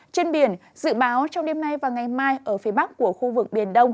trên biển dự báo trong đêm nay và ngày mai ở phía bắc của khu vực biển đông